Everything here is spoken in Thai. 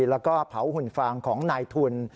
แล้วก็เผาหุ่นฟางของนายทุน